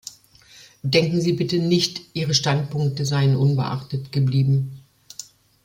Denken Sie bitte nicht, Ihre Standpunkte seien unbeachtet geblieben.